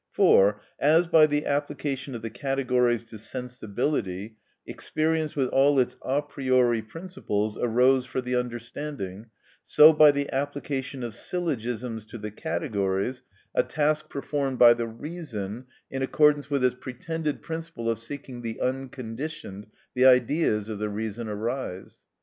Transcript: For, as by the application of the categories to sensibility, experience with all its a priori principles arose for the understanding, so by the application of syllogisms to the categories, a task performed by the reason in accordance with its pretended principle of seeking the unconditioned, the Ideas of the reason arise.